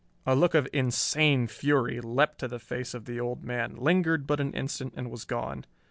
A look of insane fury leaped to the face of the old man, lingered but an instant and was gone.